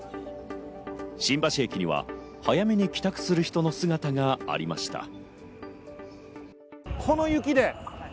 新橋駅には早めに帰宅する人の姿がありました。